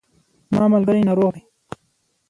زما ملګری ناروغ دی